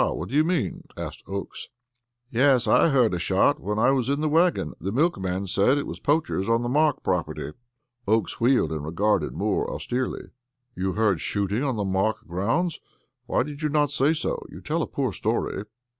What do you mean?" asked Oakes. "Yes, I heard a shot when I was in the wagon. The milkman said it was poachers on the Mark property." Oakes wheeled and regarded Moore austerely. "You heard shooting on the Mark grounds? Why did you not say so? You tell a poor story."